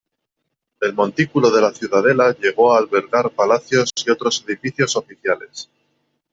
El montículo de la ciudadela llegó a albergar palacios y otros edificios oficiales.